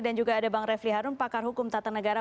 dan juga ada bang refli harun pakar hukum tata negara